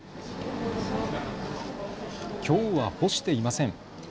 きょうは干していません。